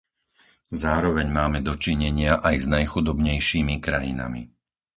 Zároveň máme do činenia aj s najchudobnejšími krajinami.